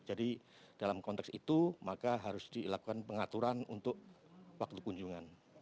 jadi dalam konteks itu maka harus dilakukan pengaturan untuk waktu kunjungan